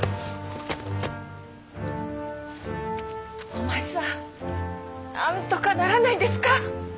お前さんなんとかならないんですか？